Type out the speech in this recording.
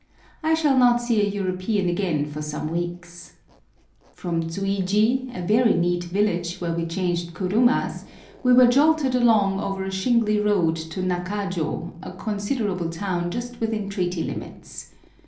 I shall not see a European again for some weeks. From Tsuiji, a very neat village, where we changed kurumas, we were jolted along over a shingly road to Nakajo, a considerable town just within treaty limits.